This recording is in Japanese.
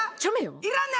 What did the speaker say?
いらんねん。